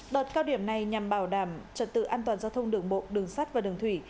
đợt cao điểm này nhằm bảo đảm trật tự an toàn giao thông đường bộ đường sắt và đường thủy